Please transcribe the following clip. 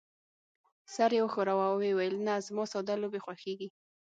سر يې وښوراوه او وې ویل: نه، زما ساده لوبې خوښېږي.